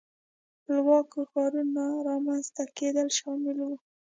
خپلواکو ښارونو رامنځته کېدل شامل وو.